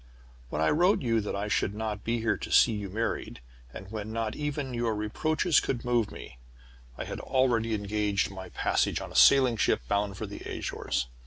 When I wrote you that I should not be here to see you married, and when not even your reproaches could move me, I had already engaged my passage on a sailing ship bound for the Azores.